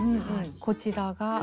こちらは。